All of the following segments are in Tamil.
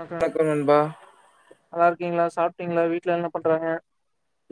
வணக்கம் [unintelligible] நண்பா நல்லா இருக்கீங்களா சாப்ட்டீங்களா வீட்ல என்ன பண்றாங்க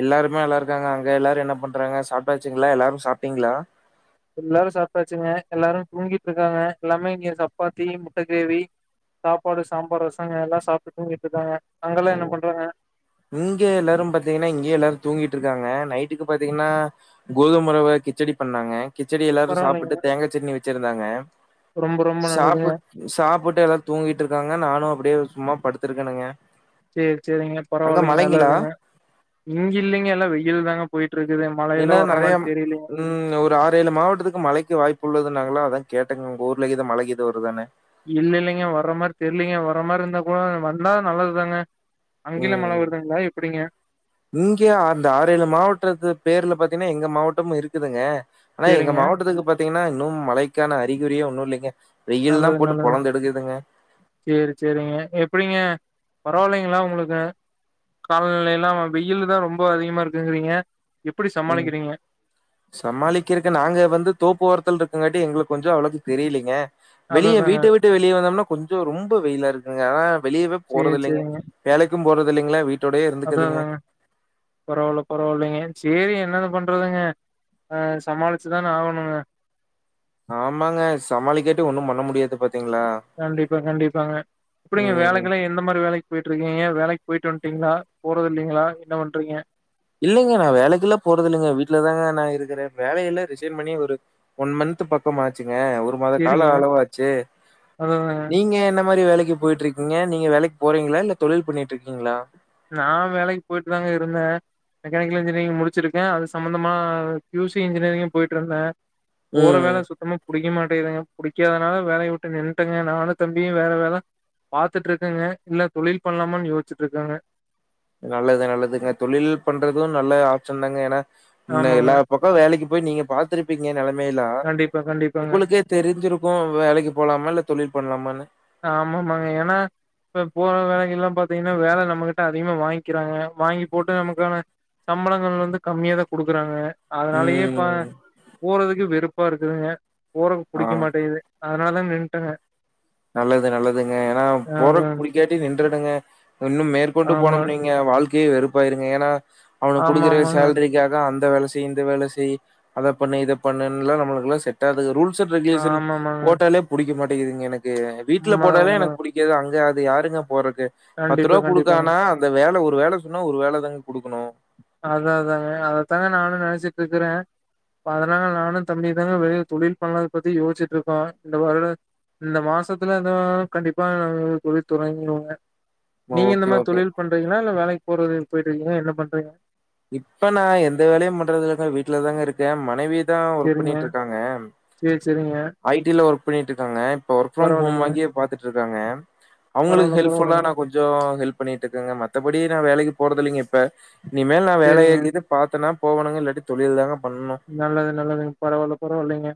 எல்லாருமே நல்லாருக்காங்க அங்க எல்லாரு என்ன பண்றாங்க சாப்ட்டாச்சுங்ளா எல்லாரு சாப்ட்டீங்ளா எல்லாரு சாப்ட்டாச்சுங்க எல்லாரு தூங்கிட்ருக்காங்க எல்லாமே இங்க சப்பாத்தி முட்ட கிரேவி சாப்பாடு சாம்பார் ரசங்க எல்லா சாப்ட்டுட்டு தூங்கிட் இருக்காங்க ஓ அங்கெல்லா என்ன பண்றாங்க இங்க எல்லாரு பாத்தீங்னா இங்யு எல்லாரு தூங்கிட்ருக்காங்க நைட்டுக்கு பாத்தீங்ன்னா கோதும ரவ கிச்சடி பண்ணாங்க கிச்சடி எல்லாரு பரவாயில்லைங்க சாப்டுட்டு தேங்கா சட்னி வச்சிருந்தாங்க ரொம்ப ரொம்ப நல்லதுங்க சாப்புட் சாப்ட்டுட்டு எல்லா தூங்கிட்டு இருக்காங்க நானு அப்டியே சும்மா படுத்திருக்கேனுங்க சேரி சேரிங்க அங்க பரவால்லைங்க நல்லது மழைங்களா தாங்க இங்கில்லைங்க எல்லா வெயில் தாங்க போய்ட்ருக்குது மழையெல்லா ஏன்னா வர்ற நெறைய மாரி தெரிலீங்க ம் ஒரு ஆறு ஏழு மாவட்டத்துக்கு மழைக்கு வாய்ப்பு உள்ளதுன்னாங்களா அதா கேட்டங் உங்க ஊர்லகீது மழகீது வருதான்னு இல்லல்லைங்க வர்ற மாரி தெர்லீங்க வர்ற மாரிருந்தா கூட வந்தா நல்லதுதாங்க அங்கில்லா மழ ம் வருதுங்ளா எப்பிடிங்க இங்க அந்த ஆறு ஏழு மாவட்டத்து பேர்ல பாத்தீங்ன்னா எங்க மாவட்டமு இருக்குதுங்க ஆனா எங்க சேரிங்க மாவட்டத்துக்கு பாத்தீங்கன்னா இன்னு மழைக்கான அறிகுறியே ஒன்னு இல்லைங்க வெயில் தா நல்லது போட்டு நல்லது பொளந்து எடுக்குதுங்க சேரி சேரிங்க எப்பிடிங்க பரவால்லைங்களா உங்களுக்கு கால்நிலையெல்லா வ வெயிலு தா ரொம்ப அதிகமா இருக்குங்கறீங்க எப்பிடி சமாளிக்கிறீங்க சமாளிக்கருக்கு நாங்க வந்து தோப்பு ஓரத்துல்ருக்கங்காட்டி எங்களுக் கொஞ்சோ அவ்ளோக்கு தெரியிலீங்க வெளிய அததாங்க வீட்ட விட்டு வெளிய வந்தம்னா கொஞ்சோ ரொம்போ வெயிலா இருக்குங்க அதனா வெளியவே சேரி போறதில்லைங்க வேலைக்கு போறதில்லீங்ளா வீட் அவ்வளதாங்க பரவால்ல பரவால்லைங்க சேரிங்க என்னத்த பண்றதுங்க ஆ சமாளிச்சுதான ஆவணுங்க ஆமாங்க சமாளிக்காட்டி ஒன்னும் பண்ண முடியாது பாத்தீங்ளா கண்டிப்பா கண்டிப்பாங்க எப்பிடிங்க வேலைக்குலா எந்த மாரி வேலைக் போய்ட்ருக்கீங்க வேலைக் போய்ட்டு வந்ட்டீங்ளா போறதில்லைங்ளா என்ன பண்றீங்க இல்லைங்க நா வேலைக்குல்லா போறதில்லீங்க வீட்லதாங்க நா இருக்கற வேலையெல்லா ரிசைன் பண்ணி ஒரு ஒன் மன்த்து பக்கம் ஆச்சுங்க ஒரு மாத கால சேரிங்க அளவாச்சு அதாதாங்க நீங்க என்ன மாரி வேலைக்கு போய்ட்ருக் கீங்க நீங்க வேலைக் போறீங்ளா இல்ல தொழில் பண்ணிட்ருக்கீங்ளா நா வேலைக் போய்ட்டு தாங்க இருந்தே மெக்கானிக்கல் இன்ஜினியரிங் முடிச்சிருக்கே அது சம்மந்தமா க்யூ சி இன்ஜினியரிங்கு போய்ட்ருந்தே போற ம் வேல சுத்தமா புடிக்க மாட்டேகிதுங்க புடிக்காதனால வேலய விட்டு நின்ட்டேங்க நானு தம்பியு வேற வேல பாத்துட்ருக்கங்க இல்ல தொழில் பண்லாமான் யோஸ்ச்சிட்ருக்கங்க நல்லது நல்லதுங்க தொழில் பண்றது நல்ல ஆப்ஷன் தாங்க ஏனா இன்னு ஆமாங்க. எல்லா பக் கோ வேலைக்கு போய் நீங்க பாத்துருப்பீங்க நெலமையெல்லா கண்டிப்பா, கண்டிப்பாங்க. உங்களுக்கே தெரிஞ்சிருக்கு வேலைக்கு போலாமா இல்ல தொழில் பண்லாமானு ஆமாமாங்க ஏனா இப்ப போற வேலைக்குல்லா பாத்தீங்ன்னா வேல நம்மகிட்ட அதிகமா வாய்ங்க்கிறாங்க வாங்கி போட்டு நமக்கான சம்பளங்கள் வந்து கம்மியா தா குடுக்கறாங்க அதனாலயே இப்ப ம். போறதுக்கு வெறுப்பா இருக்குதுங்க போறக்கு ஆ. புடிக்க மாட்டேங்கிது அதனால நின்ட்டங்க நல்லது நல்லதுங்க ஏனா போறக்கு அதான். புடிக்காட்டி நின்றனுங்க இன்னு மேற் க்கொண்டு ஆமா. போனோம் வெய்ங்க வாழ்க்கையே வெறுப்பாயிருங்க ஏனா அவனுங் குடுக்குற ஆமாமாங்க. சேல்ரி க்காக அந்த வேல செய் இந்த வேல செய் அத பண்ணு இத பண்ணுண்லா நம்மளுக்ல்லா செட் டாகாது ரூல்ஸ் அண்ட் ரெகுலேஷன் ஆமாமாங்க. போட்டாலே புடிக்க மாட்டேகிதுங்க எனக்கு வீட்ல உண்மதான், போட்டாலே எனக்கு உண்மதான். புடி காது அங்க அது யாருங்க போறக்கு பத்து கண்டிப்பா, ரூவா கண்டிப்பாங்க. குடுக்கானா அந்த வேல ஒரு வேல சொன்னா ஒரு வேல தாங்க குடுக்கனு அதா அதாங்க அததாங்க நானு நெனச்சிட்டுக்குறே இப்ப அதனால நானு தம்பியு தாங்க வெளிய தொழில் பண்ணத பத்தி யோச்சிட்ருக்கோ இந்த வருடோ இந்த மாசத்துல தா கண்டிப்பா நாங்க தொழில் தொடங்கிடுவோங்க நீங்க இந்த ஓகே, மாரி ஓகே. தொழில் பண்றீங்ளா இல்ல வேலைக்கு போறவரை போய்ட்ருக்கீங்ளா என்ன பண்றீங்க இப்ப நா எந்த வேலையு பண்றதுல்லங்க வீட்ல தாங்க இருக்கெ மனைவி தா ஒர்க் சேரிங்க பண்ணிட்ருக்காங்க சேரி சேரிங்க ஐ டி ல ஒர்க் பண்ணிட்ருக்காங்க இப்ப ஒர்க் ஃப்ரம் ஹோம் பரவாயில்லைங்க வாங்கியே பாத்துட் ருக்காங்க அவுங்களுக்கு பரவால்ல ஹெல்ப்ஃபுல்லா பரவால்லைங்க நா கொஞ் சோ ஹெல்ப் பண்ணிட்ருக்கேங்க மத்தபடி நா வேலைக்கு போறதில்லைங்க இப்ப இனிமேல் நா வேலை சேரிங்க இது பாத்தனா போவனுங்க இல்லாட்டி தொழில் தாங்க பண்ணு நல்லது நல்லதுங் பரவால்ல பரவால்லைங்க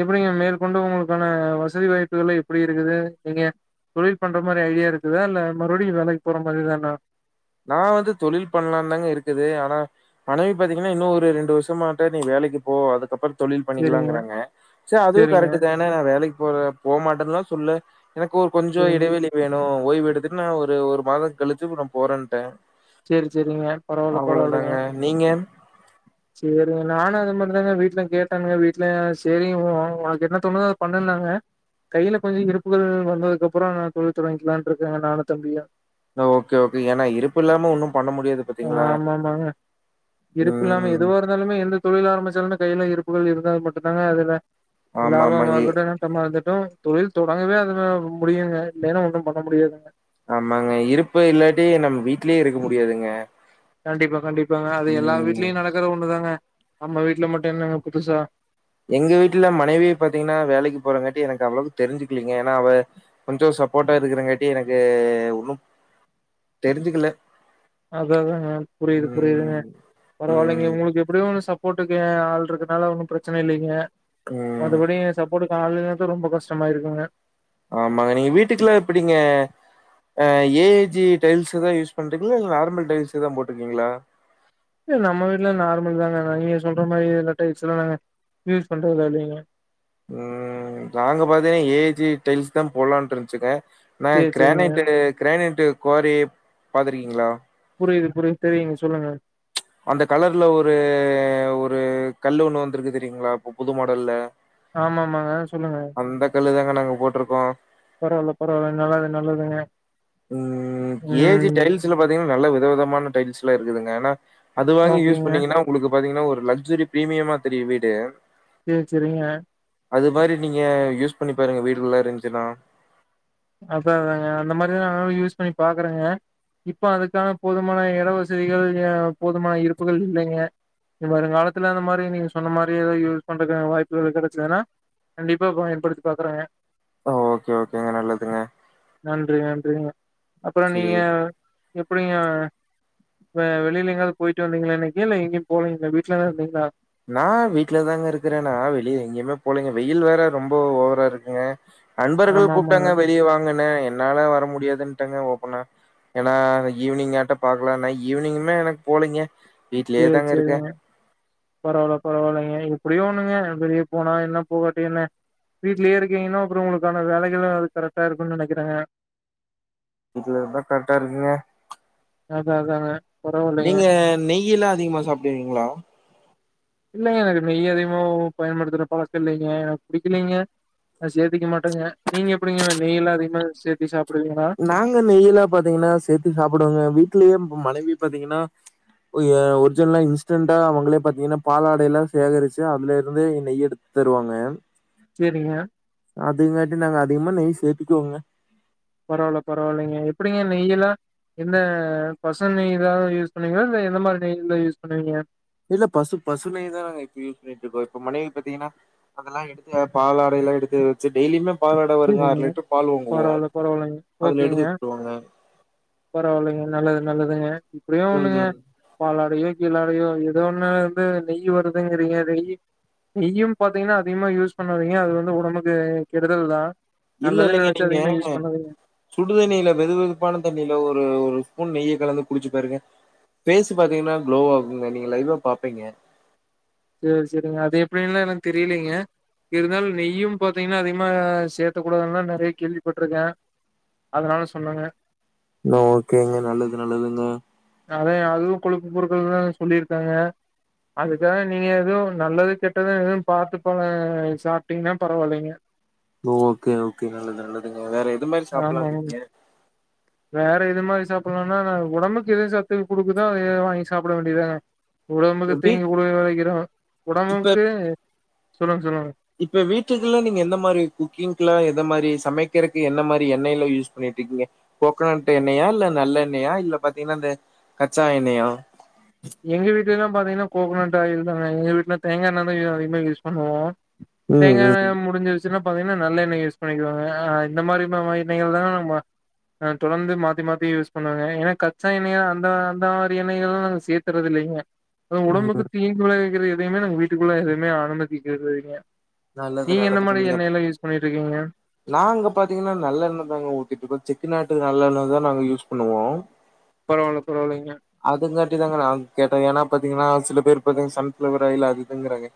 எப்டிங்க மேற்கொண்டு உங்களுக்கான வசதி வாய்ப்புகள்லா எப்டி இருக்குது நீங்க தொழில் பண்ற மாரி ஐடியா இருக்குதா இல்ல மறுப்டியோ வேலைக்கி போற மாரி தானா நா வந்து தொழில் பண்லாதாங்க இருக்குது ஆனா மனைவி பாத்தீங்கன்னா இன்னு ஒரு ரெண்டு வருஷமாட்ட நீ வேலைக்கு போ அதுக்கப்பறோ தொழில் சேரிங்க பண்ணிக்லாங்கறாங்க சே அதுவு சேரிங்க கரெக்ட்டு தான நா வேலைக்கு போற போமாட்டேன்லா சொல்ல எனக்கு கொஞ்சோ சேரிங்க இடைவெளி வேணு ஓய்வெடுத்துட்டு நா ஒரு ஒரு மாதோ கழிச்சி நா போறன்ட்டே சேரி சேரிங்க பரவால்ல பரவால்லைங்க நீங்க சேரிங்க நானு அதே மாரி தாங்க வீட்ல கேட்டனுங்க வீட்ல சேரி ஒ ஒனக்கு என்ன தோனுதோ அது பண்ணுனாங்க கையில கொஞ்சோ இருப்புகள் வந்ததுக்கப்பறோ தொழில் தொடங்கிக்லான்ட்ருக்கேங்க நானு தம்பியு ஓகே ஓகே ஏனா இருப்பில்லாம ஒன்னு பண்ண முடியாது பாத்தீங்களா? ஆமாமாங்க இருப்பில்லாம ம். எதுவார் ந்தாலுமே எந்த தொழில் ஆரம்பிச்சாலுமே கைல இருப்புகள் இருந்தால் மட்டுதாங்க அதுல ஆமா, ஆமாங்க. லாபமாருகட்டு ந ட்டமாகட்டு தொழில் தொடங்கவே அது முடியுங்க இல்லன்னா ஒண்ணுபண்ண முடியாதுங்க ஆமாங்க இருப்பு இல்லாட்டி நம் வீட்லே இருக்க முடியாதுங்க கண்டிப்பா கண்டிப்பாங்க அது எல்லா ம். வீட்லயு நடக்குற ஒண்ணு தாங்க நம்ம வீட்ல மட்டு என்னங்க புதுசா எங்க வீட்ல மனைவி பாத்தீங்கன்னா வேலைக்கு போறங்காட்டி எனக்கு அவ்ளவ்க்கு தெரிஞ்சுக்லிங்க ஏனா அவ கொஞ்சோ சப்போர்ட்டா இருக்றங்காட்டி எனக்கு ஒன்னு தெரிஞ்சுக்கல அததாங்க புரிது புரிதுங்க ம். பரவால்லைங்க ம். உங்களுக்கு எப்டியோ ஒன்னு சப்போர்ட்டுக்கு ஆள்ட்ருக்குனால ஒன்னு பிரச்சன இல்லைங்க ம். மத்தபடி சப்போர்ட்க்கு ஆள் இல்லனாதா ரொம்ப கஷ்டமாய்ருக்குங்க ஆமாங்க நீங்க வீட்டுக்லா எப்டிங்க ஆ ஏ ஐ ஜி டைல்ஸுதா யூஸ் பண்றீங்ளா இல்ல நார்மல் டைல்ஸு தா போட்ருக்கீங்களா இல்ல நம்ம வீட்ல நார்மல் தாங்க நீங்க சொல்ற மாரி எல்லா டைல்ஸ்ல்லா நாங்க யூஸ் பண்றதில்லங்க உம் நாங்க பாத்தீங்னா ஏ ஐ ஜி டைல்ஸ் தா போலான்ட்ருன்ச்சுங்க நாங்க சேரி சேரிங்க க்ராணட்டு க்ராணட்டு குவாரி பாத்துருக்கீங்ளா புரிது புரி தெரிது சொல்லுங்க அந்த கலர்ல ஒரு ஒரு கல்லு ஒண்ணு வந்துருக்கு தெரியுங்ளா இப்ப புது மாடல்ல ஆமா ஆமாங்க சொல்லுங்க அந்த கல்லுதாங்க நாங்க போட்ருக்கோ பரவால்ல பரவால்ல நல்லது நல்லதுங்க ம் ஏ ஜி ம் டைல்ஸ்ல பாத்தீங்கன்னா நல்ல வித விதமான டைல்ஸ்ல்லா இருக்குதுங்க அது வாங்கி யூஸ் ஓகேங்க பண்ணீங்கன்னா உங்களுக்கு பாத்தீங்கன்னா ஒரு லச்சுரி பிரீமியமா தெரியோ வீடு செரி செரிங்க அது மாரி நீங்க யூஸ் பண்ணி பாருங்க வீடு உள்ள இருந்துசின்னா அதாங்க அந்த மாரிதா யூஸ் பண்ணி பாக்குறேங்க இப்ப அதுக்கான போதுமான இட வசதிகள் போதுமான இருப்புகள் இல்லைங்க வருங்காலத்துல அந்த மாரி நீங்க சொன்ன மாரி ஏதாது யூஸ் பண்ற வாய்புகள் கெடைச்சதுன்னா கண்டிப்பா பயன்படுத்தி பாக்குறங்க ஆ ஓகே ஓகேங்க நல்லதுங்க நன்றி நன்றிங்க அப்பறோ நீங்க சரி. எப்டிங்க இப்ப வெளியில எங்காவது போயிட்டு வந்தீங்களா இன்னைக்கு இல்ல எங்கயோ போலீங்கலா இல்ல வீட்ல தா இருந்தீங்களா நா வீட்லதாங்க இருக்கறே நா வெளியே எங்கயுமே போலீங்க வெயில் வேற ரொம்ப ஓவரா இருக்குங்க நண்பர்கள் ஆமா ஆமாங்க கூப்பிட்டாங்க வெளியே வாங்கனே என்னால வர முடியாதுன்ட்டங்க ஓப்பனா ஏன்னா ஈவினிங் ஆட்ட பாக்கலான்னா ஈவினிங்குமே எனக்கு போலீங்க வீட்லயே சேரி தாங்க இருக்கே சேரிங்க பரவால்ல பரவால்லைங்க எப்டியோ ஒண்ணுங்க வெளிய போனா என்ன போகாட்டி என்ன வீட்லயே இருக்கிங்கன்னா அப்றோ உங்களுக்கான வேலைகள் அது கரெக்டா இருக்குன்னு நெனைக்கிறேங்க இதுலதா கரெக்டார்க்கீங்க அதா அதாங்க பரவால்லைங்க நீங்க நெய்யீலா அதிகமா சாப்டுவீங்களா இல்லங்க எனக்கு நெய் அதிகமொ பயன்படுத்துற பழக்கம் இல்லங்க எனக்கு புடிக்லீங்க நா சேத்திக்க மாட்டேங்க நீங்க எப்டிங்க நெய்ல்லா அதிகமா சேத்தி சாப்புடுவீங்லா நாங்க நெயிலா பாத்தீங்கனா சேத்து சாப்டுவோங்க வீட்லயே மனைவி பாத்தீங்கனா ஒ ஏ ஒரிஜின்லா இன்ஸ்டன்டா அவுங்களே பாத்தீங்கனா பாலாடைலா சேகரிச்சு அதுலருந்து நெய் எடுத் தருவாங்க செரிங்க அதுங்காட்டி நாங்க அதிகமா நெய் சேத்திக்குவோங்க பரவால பரவால்லைங்க எப்டிங்க நெய்யிலா எந்த பசு நெய் தா யூஸ் பண்வீங்ளா இல்ல எந்த மாரி நெய்ல்லா யூஸ் பண்ணுவீங்க இல்ல பசு பசு நெய்தா நாங்க இப்ப யூஸ் பண்ருக்கோ இப்ப மனைவி பாத்தீங்கனா அதெலா எடுத்து பாலாடயெலா எடுத்து வச்சு டெய்லியிமே பாலாட வருதா அர சரிங்க லிட்டரு பால் வாங்குவா பரவால்ல பரவால்லைங்க அதுல ஓகேங்க எடுத்து வெச்சுருவாங்க பரவால்லைங்க நல்லது நல்லதுங்க இப்படியோ ஒண்ணுங்க ம் பாலாடயோ கீலாடயோ எதொண்ணுலர்ந்து நெய்யி வருதுங்றீங்க நெய்யி நெய்யும் பாத்தீங்ன்னா அதிகமா யூஸ் பண்ணாதீங்க அது வந்து ஒடம்பக்கு கெடுதல் தா இல்ல நல்லதுன்னு இல்லங்க நெனச்சு நீங்க அதிகமா யூஸ் பண்ணாதீங்க சுடுதண்ணில வெது வெதுப்பான தண்ணில ஒரு ஒரு ஸ்பூன் நெய்ய கலந்து குடிச்சி பாருங்க ஃபேஸு பாத்தீங்னா குளோவாகுங்க நீங்க லைவா பாப்பீங்க சேரி செரிங்க அது எப்டின்லா எனக்கு தெரிலீங்க இருந்தாலு நெய்யும் பாத்தீங்னா அதிகமா சேத்தக் கூடாதுல்லா நெறைய கேள்விப்பட்ருக்கே அதனால சொன்னங்க ஓகேங்க நல்லது நல்லதுங்க அதா அதும் கொழுப்பு பொருட்கள்ன்தாங்க சொல்லிருக்காங்க அதுக்காக எதொ நல்லது கெட்டது எதும் பாத்து பல சாப்டீங்னா பரவால்லங்க ஓகே ஓகே நல்லது நல்லதுங்க வேற எது மாரி ஆமா சாப்லாங்றிகீங்க வேற எது மாரி சாப்டலானா ஒடம்புக்கு ந எது சத்து குடுக்குதோ அதய வாங்கி சாப்ட வேண்டியதுதான ஒடம்புக்கு இப்ப பீட் தீங்கு குடுக்க வக்கிதா இப்ப ஒடம்புக்கு சொல்லுங்க சொல்லுங்க இப்ப வீட்டுக்குல்லா நீங்க எந்த மாரி குக்கிங்க்லா எத மாரி சமைக்கிறக்கு என்ன மாரி எண்ணெயில யூஸ் பண்ணிட்ருக்கீங்க கோக்னட் எண்ணெயா இல்ல நல்லெண்ணெயா இல்ல பாத்தீங்னா இந்த கச்சா எண்ணெயா எங்க வீட்லலா பாத்தீங்னா கோகோனட் ஆயில் தாங்க எங்க வீட்ல தேங்க எண்ணெதா அ அதிகமா யூஸ் பண்ணுவோ ம் தேங்கா ம் எண்ணெ முடிஞ்சிருச் சினா பாத்தீங்னா நல்லெண்ணெய் யூஸ் பண்ணிகிவாங்க இந்த மாரி ம ம எண்ணெய்கள் தாங்க நம்ம தொடர்ந்து மாத்தி மாத்தி யூஸ் பண்ணுவங்க ஏனா கச்சா எண்ணெய அந்த அந்த மாரி எண்ணெகள்லா நாங்க சேத் றது இல்லீங்க ம் உடம்புக்கு ம் தீங்கு விளவிக்கிறது எதயுமே நாங்க வீட்டுக்குள்ள எதுமே அனுமதிக்கிறதீங்க நல்லது நீங்க என்ன நல்லது மாரி நீங்க எண்ணெய எல்லா யூஸ் பண்ணிட்டுருக்கீங்க நாங்க பாத்தீங்னா நல்லெண்ண தாங்க ஊத்திட்டுருக்கு செக்கு நாட்டு நல்லெண்ணதா நாங்க யூஸ் பண்ணுவோ பரவால்ல பரவால்லங்க அதுங்காட்டி தாங்க நானு கேட்டே ஏனா பாத்தீங்னா சில பேரு பாத்தீங்க சன்ஃபிளவராயில் அது இதுங்றாங்க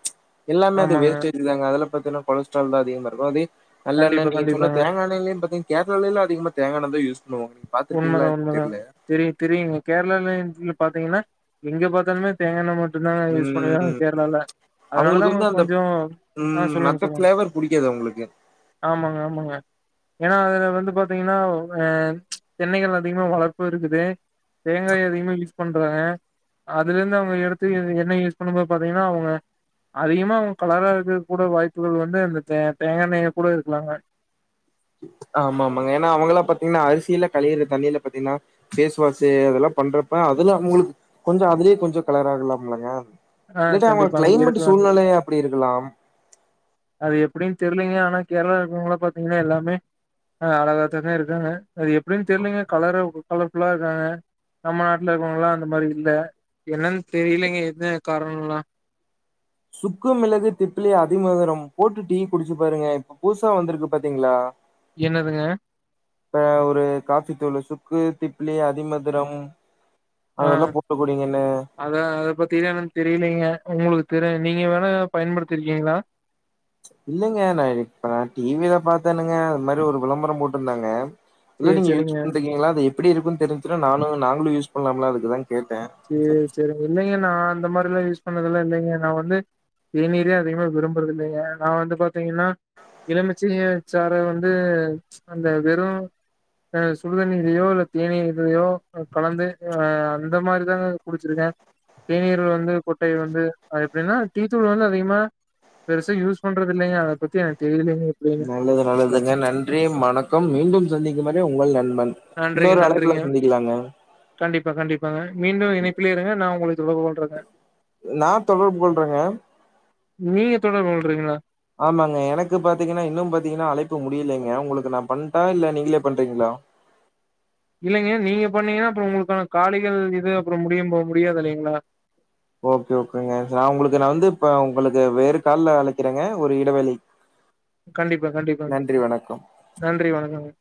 எல்லாமே அது ஆமாங்க வேஸ்டேஜ் தாங்க அதுல பத்தீனா கொலஸ்ட்ரால் தா அதிகமா இருக்கு அதே நல்லெண்ண கண்டிப்பா நீங்க சொன்ன கண்டிப்பாங்க தேங்கா எண்ணெலயு பாத்தீங்க கேரளாலல்லா அதிகமா தேங்கா எண்ணெதா யூஸ் பண்ணுவாங்க பாத்திருப்பீங்களா உண்மதா உண்மதா தெர்ல தெரிய தெரியுங்க கேரளா பாத்தீங்கனா எங்க பாத்தாலுமே தேங்கா எண்ணெ மட்டுதாங்க யூஸ் பண்ணுவாங்க ம் கேரளால அதனாலதா அவங்களுக்கு வந்து அவுங்களுக்கு அந்த கொஞ்சோ ஆ ம் சொல்லுங்க மத்த சொல்லுங்க ஃபிளேவர் புடிக்காது அவங்களுக்கு ஆமாங்க ஆமாங்க ஏனா அதுல வந்து பாத்தீங்னா வெம் தென்னைகள் அதிகமா வளர்ப்பு இருக்குது தேங்கா அதிகமா யூஸ் பண்றாங்க அதுலருந்து அவுங்க எடுத்து இது எண்ணெ யூஸ் பண்ணுபோது பாத்தீங்கனா அவுங்க அதிகமா அவுங்க கலராருக்க கூட வாய்ப்புகள் வந்து அந்த தே தேங்கா எண்ணெயா கூட இருக்கலாங்க ஆமா ஆமாங்க ஏனா அவங்ள பாத்தீனா அரிசியில கழிறது தண்ணில பாத்தீனா ஃபேஸ் வாஷ்சு அதெல்லா பண்றப்ப அதுல உங்ளுக் கொஞ்சோ அதுலயே கொஞ்சோ கலர் ஆகலாம்லாங்க ஆ இல்ல அவங்களுக் கண்டிப்பாங்க. கிளைமேட் இருக்கலாங்க இருக்கு. சூழ்நிலையா அப்டி இருக்கலாம் அது எப்டின்னு தெரிலீங்க ஆனா கேரளா இருக்கவங்கள பாத்தீங்னா எல்லாமே அ அழகாத்தாக இருக்காங்க அது எப்டின்னு தெரிலீங்க கலரா கலர்ஃபுல்லா இருக்காங்க நம்ம நாட்ல இருக்கவங்கல்லா அந்த மாரி இல்ல என்னன்னு தெரியலைங்க என்ன காரணோல்லா சுக்கு மிளகு திப்லி அதி மதுரம் போட்டு டீ குடிச்சி பாருங்க புதுசா வந்துருக்கு பாத்தீங்ளா என்னதுங்க இந்த ஒரு காஃபி தூளு சுக்கு திப்ளி அதிமதுரம் ஆ அதெல்லா போட்டு கூடியங்கன்னு அத அதப்பத்திலான்னு தெரியலீங்க உங்ளுக்கு தெரி நீங்க வேணா பயண்படுத்திருக்கீங்ளா இல்லங்க நா இப்ப நா டிவில பாத்தேனுங்க அது மாரி ஒரு விளம்பரம் போட்டுருந்தாங்க இல்ல சரி, நீங்க யூஸ் சரிங்க. பண்றிக்கீங்ளா அது எப்டி இருக்குன்னு தெரிஞ்சினா நானு நாங்களு யூஸ் பண்ணலாம்லா அதுக்குதா கேட்ட சேர் சேரி இல்லைங்க நா அந்த மாரில்லா யூஸ் பண்ணதுலா இல்லைங்க நா வந்து தேநீரே அதிகமா விரும்புறது இல்லங்க நா வந்து பாத்தீங்னா எழுமிச்சிய சார வந்து அந்த வெறு அ சுடு தண்ணிலயோ இல்ல தேனீர்லயோ கலந்து அ அந்த மாரி இதுதாங்க குடிச்சிருக்க தேநீர் வந்து கொட்டை வந்து அது எப்டின்னா தீத்தூள் வந்து அதிகமா பெருசா யூஸ் பண்றது இல்லங்க அத பத்திக்கு தெரில நல்லது நல்லதுங்க நன்றி வணக்கம் மீண்டும் சந்திக்கு படி உங்கள் நண்பன் நன்றிங்க இன்னொரு அழைப்புல நன்றிங்க சந்திக்கலாங்க கண்டிப்பா கண்டிப்பாங்க மீண்டும் இனைப்பிலேயே இருங்க நா உங்களை தொ கொல்றேங்க நா தொடர்பு கொல்றேங்க நீங்க தொடர்பு கொல்றிங்கள ஆமாங்க எனக்கு பாத்தீங்கன்னா இன்னு பாத்தீங்கன்னா அழைப்பு முடியலைங்க உங்களுக்கு நா பண்ட்டா இல்ல நீங்களே பண்றீங்களா இல்லைங்க நீங்க பண்ணீங்கன்னா அப்றம் உங்களுக்கான காலிகள் இது அப்றம் முடியும் போ முடியாது இல்லைங்களா ஓகே ஓகேங்க ந உங்களுக்கு நான் வந்து இப்ப உங்களுக்கு வேறு கால அழைக்கிறேங்க ஒரு இடவெளி கண்டிப்பா கண்டிப்பாங்க வணக்கம் நன்றி வணக்கம்ங்க